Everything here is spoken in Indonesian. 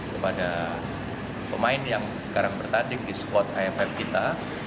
kepada pemain yang sekarang bertanding di squad aff kita